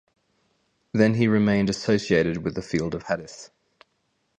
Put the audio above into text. Then he remained associated with the field of hadith.